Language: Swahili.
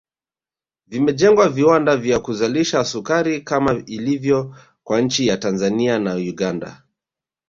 Vimejengwa viwanda vya kuzalisha sukari kama ilivyo kwa nchi za Tanzania na Uganda